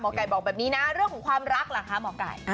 ไก่บอกแบบนี้นะเรื่องของความรักล่ะคะหมอไก่